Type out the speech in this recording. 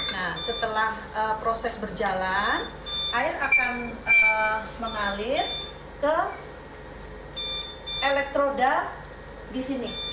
nah setelah proses berjalan air akan mengalir ke elektroda di sini